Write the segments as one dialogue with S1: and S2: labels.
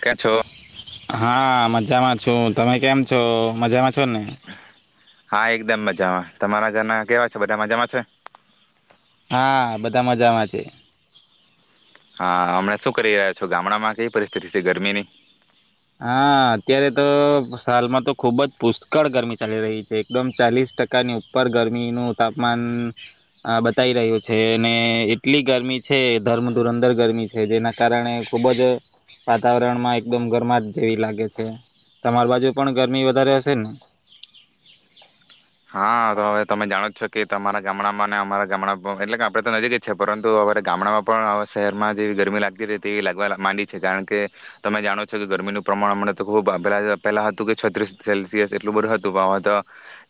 S1: કેમ છો?
S2: હા. મજામાં છું. તમે કેમ છો મજામાં? છોને.
S1: હા એકદમ મજામાં, તમારા જના કેવા છે બધા મજામાં છે?
S2: હા બધા મજામાં છે.
S1: હા હમણાં શું કરી રહ્યા છો, ગામડામાં કેવી પરિસ્થિતિ છે ગરમીની?
S2: હા અત્યારે તો સાાલમાં તો ખુબ જ પુષ્કળ ગરમી ચાલી રહી છે. એકદમ ચાલીસ ટકાની ઉપર ગરમીનું તાપમાન બતાઈ રહ્યું છે, અને એટલી ગરમી છે ધર્મધુરંદર ગરમી છે જેના કારણે ખુબ જ વાતાવરણમાં એકદમ ગરમા જેવી લાગે છે. તમાર બાજુ પણ ગરમી વધારે હશે ને?
S1: હા તો હવે તમે જાણો છો કે તમારા ગામડામાં ને અમારા ગામડામાં એટલે કે આપડે તો નજીક જ છે પરંતુ હવે તો ગામડામાં પણ હવે શહેરમાં જેવી ગરમી લાગતી રહેતી લાગવા માંડી છે કારણ કે તમે જાણો છો કે ગરમીનું પ્રમાણ હમને તો ખુબ પેલા પેલા હતું કે છત્રીસ સેલ્સિયસ એટલું બધું હતું પણ હવે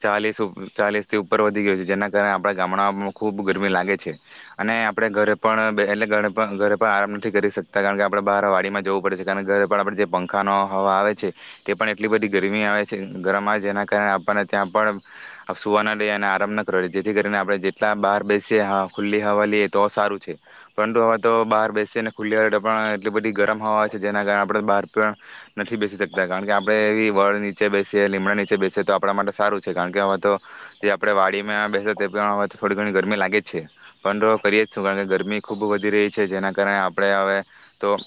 S1: તો ચાલીસ ઉપ ચાલીસથી ઉપર વધી ગયું છે જેના કારણે આપણા ગામડામાં ખૂબ ગરમી લાગે છે અને આપણે ઘરે પણ બે એટલે ઘરે પ ઘરે પણ આરામ નથી કરી શકતા કારણ કે આપણે બહાર વાડીમાં જવું પડે છે, કારણ કે ઘરે પણ આપણે જે પંખાનો હવા આવે છે તે પણ એટલી બધી ગરમી આવે છે, ગરમ આવે જેના કારણે આપણને ત્યાં પણ અહ સુવાના દઈએ અને આરામ ન કરવા દે, જેથી કરીને આપણે જેટલા બહાર બેસીએ હ ખુલ્લી હવા લઈએ તો સારું છે. પરંતુ હવે તો બહાર બેસીએ ને ખુલ્લી હવા હોય તો પણ એટલી બધી ગરમ હવા આવે છે જેના કારણે આપણે બહાર પણ નથી બેસી શકતા, કારણ કે આપડે એવી વડ નીચે બેસીએ, લીમડા નીચે બેસીએ તો આપણા માટે સારું કારણ કે હવે તો જે આપણે વાડીમાં બેસે તે થોડી ઘણી ગરમી લાગે જ છે. પણ તો કરીએ જ છું કારણ કે ગરમી ખૂબ વધી રહી છે જેના કારણે આપણે હવે તો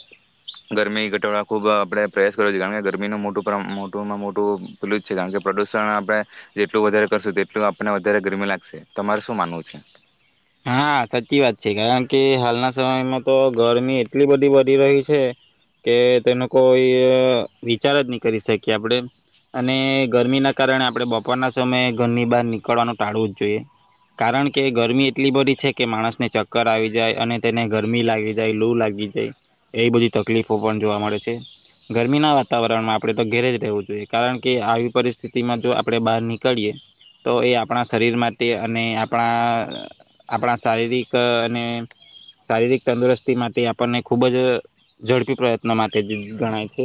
S1: ગરમી ઘટાડ ખૂબ આપણે પ્રયાસ કરવો છે કારણ કે ગરમીનું મોટું મોટુંમાં મોટું પલું જ છે કારણ કે પ્રદુષણ આપણે જેટલું વધારે કરશું, તેટલું આપણને વધારે ગરમી લાગશે. તમારે શું માનવું છે?
S2: હા સાચી વાત છે કારણ કે હાલના સમયમાં તો ગરમી એટલી બધી વધી રહી છે કે તેનો કોઈ વિચાર જ નહી કરી શકીએ. આપણે અને ગરમીના કારણે આપણે બપોરના સમયે ઘરની બહાર નીકળવાનું ટાળવું જ જોઈએ. કારણ કે ગરમી એટલી બધી છે કે માણસને ચક્કર આવી જાય અને તેને ગરમી લાગી જાય, લૂ લાગી જાય એવી બધી તકલીફો પણ જોવા મળે છે. ગરમીના વાતાવરણમાં આપણે તો ઘેરે જ રહેવું જોઈએ કારણ કે આવી પરિસ્થિતિમાં જો આપણે બહાર નીકળીએ તો એ આપણા શરીર માટે અને આપણા આપણા શારીરિક અને શારીરિક તંદુરસ્તી માટે આપણને ખૂબ જ ઝડપી પ્રયત્નો માટે ગણાય છે.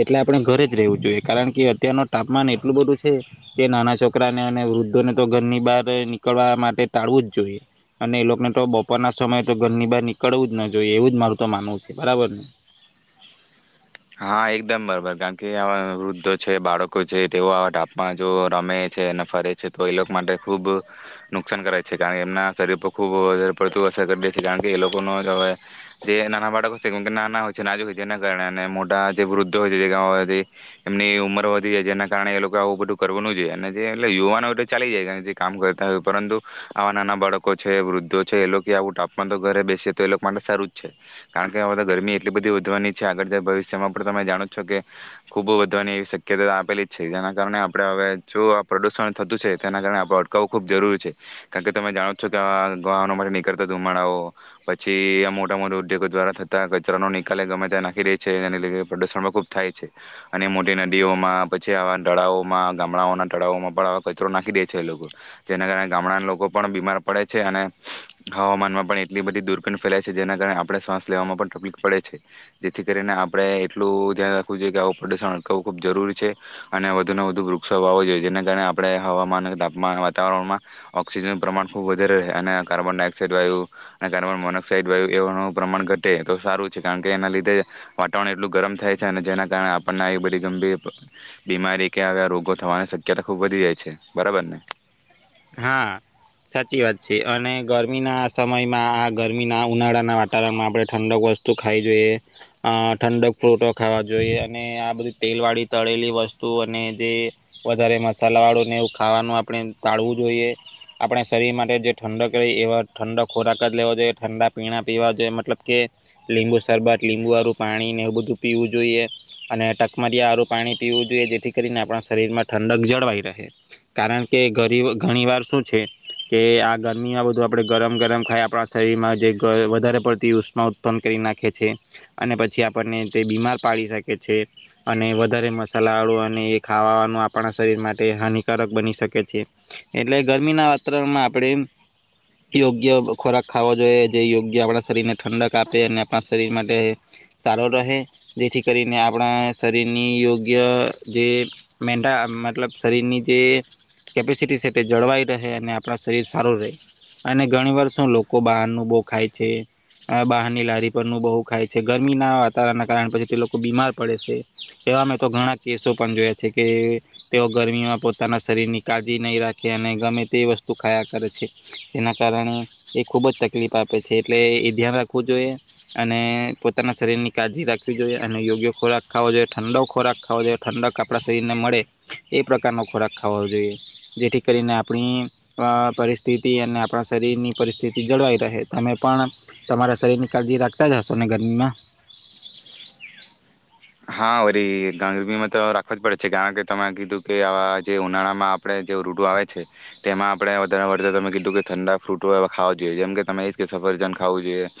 S2: એટલે આપણે ઘરે જ રહેવું જોઈએ કારણ કે અત્યારનું તાપમાન એટલું બધું છે કે નાના છોકરાને અને વૃદ્ધોને તો ઘરની બહાર નીકળવા માટે ટાળવું જ જોઈએ. અને એ લોકોને તો બપોર ના સમયે તો ઘરની બહાર નીકળવું જ ના જોઈએ એવું જ મારું તો માનવું છે બરાબર ને?
S1: હા એકદમ બરોબર. કારણ કે આ વૃદ્ધો છે, બાળકો છે તેઓ આવા ટાપમાં જો રમે છે અને ફરે છે તો એ લોકો માટે ખુબ નુકસાન કરે છે કારણ કે એમના શરીર ખૂબ વધારે પડતું અસર કરી દે કારણ કે એ લોકો નવે જે નાના બાળકો કે નાના હોય છે નાજુક હોય જેના કારણે મો જે વૃદ્ધો હોય છેથી એમની ઉંમર વધી જાય જેના કારણે એ લોકો આવું બધું કરવાનું જોઈએ અને જે એટલે યુવાનો હોય તો ચાલી જાય જે કામ કરતા હોય પરંતુ આવા નાના બાળકો છે વૃદ્ધો છે એ લોકો આવું તાપમાન તો ઘરે બેસે તો એ લોકો માટે સારું જ છે કારણ કે આ બધા ગરમી એટલી બધી વધવાની છે આગળ જે ભવિષ્ય એમાં પણ તમે જાણો છો કે ખૂબ વધવાની એવી શક્યતા આપેલી જ છે જેના કારણે આપણે હવે જો આ પ્રદુષણ થતું છે તેના કારણે આપણે અટકાવવું ખૂબ જરૂરી છે કારણ કે તમે જાણો છો કે આ વાહ માટે નીકળતા ધુમાડાઓ પછી આ મોટા મોટા ઉદ્યોગો દ્વારા થતા કચરાનો નિકાલલે ગમે ત્યાં નાખી રહી છે. લ પ્રદુષણ પણ ખૂબ થાય છે અને મોટી નદીઓમાં પછી આવા તળાવોમાં ગામડાઓના તળાવોમાં પણ આવા કચરો નાખી દે છે એ લોકો જેના કારણે ગામડાના લોકો પણ બીમાર પડે છે અને હવામાનમાં પણ એટલી બધી દુરપીન ફેલાય છે જેના કારણે આપણે શ્વાસ લેવામાં પણ તકલીફ પડે છે જેથી જે કરીને આપણે એટલું ધ્યાન રાખવું જોઈએ કે આવું પ્રદૂષણ અટકાવવું ખૂબ જરૂરી છે અને વધુને વધુ વૃક્ષો વાવો જોઈએ જેના કારણે આપણે હવામાન તાપમાન વાતાવરણમાં ઓઑક્સિજનનું પ્રમાણ ખૂબ વધારે રહે અને કાર્બન ડાયોક્સાઇડ વાયુ અને કાર્બન મોનોક્સાઇડ વાયુ એવાનું પ્રમાણ ઘટે તો સારું છે કારણ કે એના લીધે વાતાવરણ એટલું ગરમ થાય છે અને જેના કારણે આપણને એ બધી ગંભીર બીમારી કેવા રોગો થવાની શક્યતા ખુબ વધી જાય છે બરાબર ને.
S2: હા સાચી વાત છે અને ગરમીના સમયમાં આ ગરમીના ઉનાળાના વાતાવરણમાં આપણે ઠંડક વસ્તુ ખાઈ જોઈએ અ ઠંડક ફ્રૂટો ખાવા જોઈએ અને આ બધી તેલ વાળી તળેલી વસ્તુ અને જે વધારે મસાલા વાળું ને એવું ખાવાનું આપણે ટાળવું. જોઈએ આપણે શરીર માટે જે ઠંડક ર એવા ઠંડક ખોરાક જ લેવા જોઈએ ઠંડા પીણા પીવા જોઈએ મતલબ કે લીંબુ શરબત લીંબુ આરું પાણીને એવું બધું પીવું જોઈએ અને ટકમરીિયા આરું પાણી પીવું જોઈએ જેથી કરીને આપણા શરીરમાં ઠંડક જળવાઈ રહે કારણ કે ગરી ઘણી વાર શું છે કે આ ગરમીમાં બધું આપણે ગરમ ગરમ ખાઈ આપણા શરીરમાં જે વધારે પડતી ઉષ્મા ઉત્પન્ન કરી નાખે છે અને પછી આપણને તે બીમાર પાડી શકે છે અને વધારે મસાલાળો અને એ ખાવાવાનું આપણા શરીર માટે હાનિકારક બની શકે છે. એટલે ગરમીના વાતાવરણમાં આપણે યોગ્ય ખોરાક ખાવો જોઈએ જે યોગ્ય આપણા શરીરને ઠંડક આપે અને આપણા શરીર માટે સારો રહે જેથી કરીને આપણા શરીરની યોગ્ય જે મેન્ટા મતલબ શરીરની જે કેપેસિટી છે. તે જળવાઈ રહે અને આપણા શરીર સારું રહે અને ઘણી વાર શું લોકો બહારનું બહુ ખાય છે બહારની લારી પરનું બહુ ખાય છે ગરમી ના વાતાવરણ ના કારણ પછી તે લોકો બીમાર પડે છે એવામાં તો ઘણા કેસો પણ જોયા છે કે તેઓ ગરમીમાં પોતાના શરીર ની કાળજી નહી રાખ કે અને ગમે તે વસ્તુ ખાયા કરે છે જેના કારણે એ ખૂબ જ તકલીફ આપે છે એટલે એ ધ્યાન રાખવું જોઈએ અને પોતાના શરીર ની કાળજી રાખવી જોઈએ અને યોગ્ય ખોરાક ખો જોઈએ ઠંડક ખોરાક ખો જોઈએ ઠંડક આપણા શરીર ને મળે એ પ્રકારનો ખોરાક ખાવાો જોઈએ. જેથી કરીને આપણી પરિસ્થિતિ અને આપણા શરીરની પરિસ્થિતિ જળવાઈ રહે તમે પણ તમારા શરીરની કાળજી રાખતા જ હશો ને ગરમીમાં.
S1: હા વરી ગરબીમાં તો રાખવાો જ પડે છે કારણ કે તમે કીધું કે આવા જે ઉનાળામાં આપડણે જે રૂટો આવે છે તેમાં આપણે વધારે વતા તમે કીધું કે ઠંડા ફ્રૂટો ખવા જોઈએ જેમ કે તમે એ કે સફરજન ખાવું જોઈએ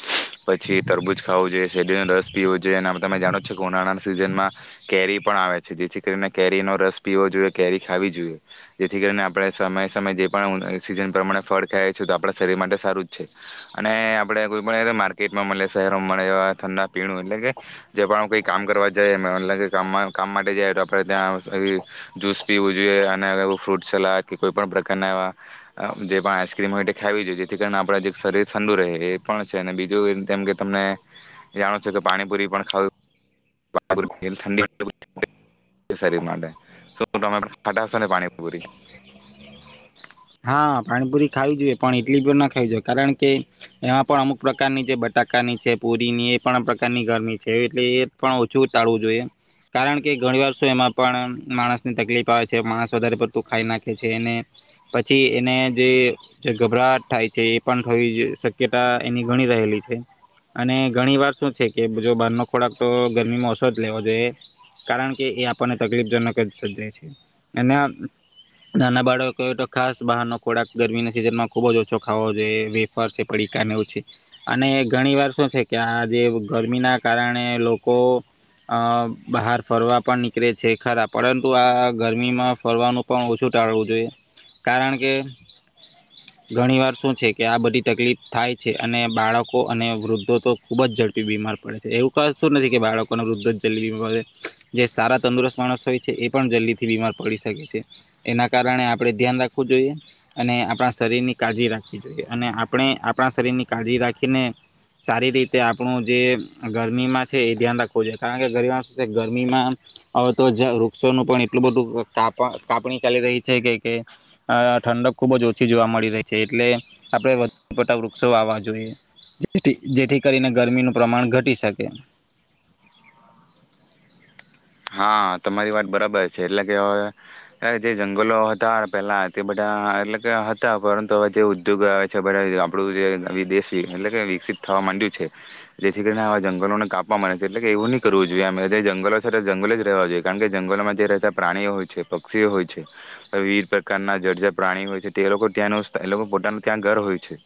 S1: પછી તરબૂજ ખાવું જોઈએ શરીર નનો રસ પીવો જોઈએ અને તમે જાણો જો કે ઉનાળા સીઝનમાં કેરી પણ આવે છે જેથી કરીને કેરીનોો રસ પીવો જોઈએ કેરી ખાવી જોઈએ જેથી કરીને આપણે સમયે સમયે જે પણ સીઝન પ્રમાણે ફળ ખાઈએ છેીએ તો આપણા શરીર માટે સારું જ છે અને આપણેે કોઈ પણ માર્કેટમાં મળે શહેરોમાં મળે એ ઠંડા પીણું એટલે કે જે પણ કઈ કામ કરવા. જઈ એતલ કે કામ કામ માટે જાય તો આપણે ત્યાં જ્યૂસ પીવું જોઈએ અને ફ્રૂટ સલા કે કોઈ પણણ પ્રકારના એવા જે પણ આઈસક્રીમ હોય તે ખાવી જોઈએ જેથી કરીને આપણા જે શરીર ઠંડુ રહે એ પણ છે અને બીજું જેમ કે તમને જાણો છો કે પાણીપુરી પણ ખાવું. ઠંડી શરીર માટે શું તમે ફટાશો ને પાણી પૂરી
S2: હા પાણીપુરી ખાવી જોઈએ પણ એટલી બ ના ખાવી જોઈએ કારણ કે એમાં પણ અમુક પ્રકારની જે બટાકાની છે પુરી ની એ પણ પ્રકારની ઘરની છે એટલે એ પણ ઓછું ટાળવું જોઈએ કારણ કે ઘણી વરષો એમાં પણ માણસ ની તકલીફ આવે છે માણસ વધારે પડતું ખાઈ નાખે છે એને પછી એ જે ગભરાટ થાય છે એ પણ થવી શક્યતા એની ઘણી રહેલી છે અને ઘણી વાર શું છે કે જો બહારનો ખોરાક તો ગરમીમાં ઓછો જ લેવો જોઈએ કારણ કે એ આપણને તકલીફજનક જ સજાય છે એના નાના બાળકો ક ખાસ બહારનો ખોરાક ગરમીના સિઝનમાં ખૂબ જ ઓછો ખો જોઈએ વેફાર છે પડીકાને ઓછી અને ઘણી વાર શું છે કે આ જે ગરમીના કારણે લોકો અ બહાર ફરવા પણ નીકળે છે ખરા પરંતુ આ ગરમીમાં ફરવાનું પણ ઓછું ટાળવું જોઈએ. કારણ કે ઘણી વાર શું છે કે આ બધી તકલીફ થાય છે અને બાળકો અને વૃદ્ધો તો ખુબ જ ઝડપી બીમાર પડે છે એવું ક શું નથી કે બાળકોને વૃદ્ધો જ જલ્દી બીમાર પડે છે જે સારા તંદુરસ્ત માણસ હોય છે એ પણ જલ્દી થી બીમાર પડી શકે છે એના કારણે આપડણે ધ્યાન રાખ જોઈએ અને આપણા શરીરની કાળજી રાખવી જોઈએ અને આપણે આપણા શરીરની કાળજી રાખીને સારી રીતે આપણું જે ગરમીમાં છે એ ધ્યાન રાખવું જોઈએ કારણ કે ગર શ છે ગરમીમાં હવે તો વૃક્ષોનું પણ એટલું બધું કાપ કાપણી ચાલી રહી છે કે અ ઠંડક ખુબ જ ઓછી જોવા મળી રહી છે એટલે આપણે વધુ પડતા વૃક્ષો આવવા જોઈએ જેથી જેથી કરીને ગરમીનું પ્રમાણ ઘટી શકે.
S1: હા તમારી વાત બરાબર છે એટલે કેવે જે જંગલો હતા પેલા તે બધા એટલે કે હતા પરંતુ હવે જે ઉદ્યોગ આવે છે બધા આપડું જે વિદેશી એટલે કે વિકસિત થવા માંડ્યું છે જેથી કરીને હવા જંગલોને કાપવામાં છે એટલે કે એવું નહી કરવું જોઈએ જે જંગલો છે. જંગલ જ રહેવા જોઈએ કારણ કે જંગલોમાં જે રહેતા પ્રાણીઓ હોય છે પક્ષીઓ હોય છે વિવિધ પ્રકારના જર્જર પ્રાણીઓ હોય છે તે લોકો ત્યાંનું એ લોકો પોતાનું ત્યાં ઘર હોય છે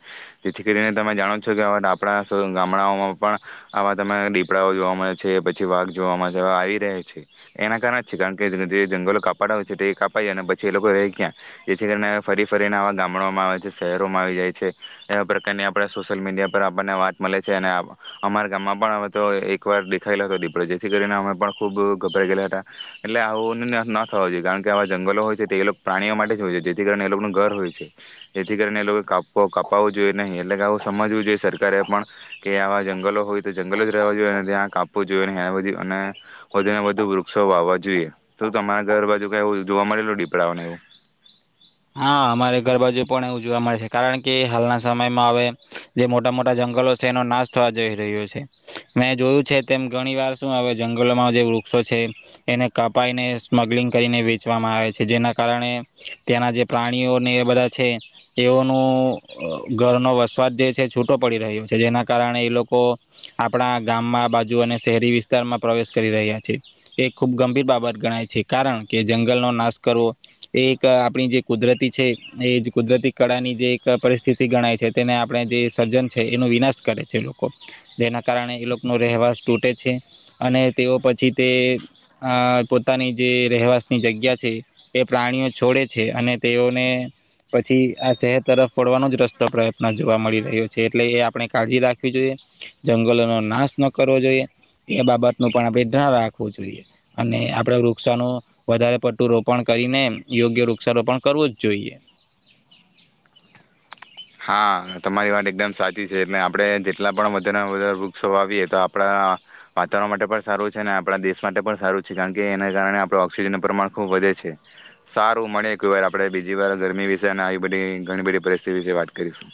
S1: જેથી કરીને તમે જાણો છો કેપડા ગામડાઓમાં પણ આવા ત દીપડાઓ જોવા મળે છે પછી વાઘ જોવા મળે છે આવી ના કાર કારણ કે જે જંગલો કાપાડા હોય છે તે કાપાઈ અને પછી એ લોકો રહી ગયા જેથી કરીને ફરી ફરીને આવા ગામડામાં આવે છે શહેરોમાં આવી જાય છે એવા પ્રકારની આપ સોશિયલ મીડિયા પર આપણને વાત મળે છે અને અમારા ગામમાં પણ હવે તો એક વાર દેખાયલો હતો દીપડ્યો જેથી કરીને અમે ખૂબ ગભરાઈ ગયેલા હતા એટલે આવો નશ ન થવાો જોઈએ કારણ કે આવા જંગલો હોય છે તે એ લોકો પ્રાણીઓ માટે જ હોય છે જેથી કરીને એ લોકોનું ઘર હોય છે જેથી કરીને એ લોકો કા કાપાવવું જોઈએ નહીં એટલે કે આવું સમજવું જોઈએ સરકારે પણ કે આવા જંગલો હોય તો જંગલો જ રહેવા જોઈએ ત્યાં કાપવું જોઈએ અને વધુ ને વધુ વૃક્ષો વાવવા જોઈએ તો તમારા ઘર બાજુ કઈ જોવા મળેલ દીપડાઓને એવું
S2: હા અમારે ઘર બાાજુ પણ એવું જોવા મળે છે કારણ કે હાલના સમયમાં હવે જે મોટા મોટા જંગલો છે એનો નાશ થવા જઈ રહ્યો છે મેં જોયું છે તેમ ઘણી વાર શું હ જંગલોમાં જે વૃક્ષો છે એને કપાઈને સ્મગલિંગ કરીને વેચવામાં આવે છે જેના કારણે તેયાના જે પ્રાણીઓને એ બધા છે એઓનું ઘરનો વસવાટ જે છે છૂટો પડી રહ્યો છે જેના કારણે એ લોકો આપણા ગામમાં બાજુ અને શહેરી વિસ્તારમાં પ્રવેશ કરી રહ્યા છે એ ખૂબ ગંભીર બાબત ગણાય છે કારણ કે જંગલનો નાશ કરવો એક આપણી જે કુદરતી છે એ જ કુદરતી કળાની જે એક પરિસ્થિતિ ગણાય છે તેને આપણે જે સર્જન છે એનો વિનાશ કરે છે લોકો જેના કારણે એ લોકોનો રહેવાસ તૂટે છે અને તેઓ પછી તે અ પોતાની જે રહેવાસની જગ્યા છે એ પ્રાણીઓ છોડે છે અને તેઓને પછી આ શહેર તરફ ફરવાનો જ રસ્તો પ્રયત્ન જોવા મળી રહ્યો છે એટલે એ આપણે કાળજી રાખવી જોઈએ જંગલોનો નાશ ન કરવો જોઈએ એ બાબતનુંું પણ આપ ધ્યાન રાખવું જોઈએ અને આપડ વૃક્ષોનું વધારે પટ્ટું રોપણ કરીને યોગ્ય વૃક્ષારોપણ કરવો જ જોઈએ.
S1: હા તમારી વાત એકદમ સાચી છે એટલે આપડણે જેટલા પણ વધારેને વધારે વૃક્ષો આવીએ તો આપણા વાતાવરણ માટે પણ સારું છે ને આપણા દેશ માટે પણ સારું છે કારણ કે એના કારણે આપડ ઓક્સિજનનું પ્રમાણ ખુબ વધે છે સારું મળે એક વાર આપડણે બીજી વાર ગરમી વિશે અને આવી બધી ઘણી બધી પરિસ્થિતિ વિશે વાત કરીએ. કરીશું.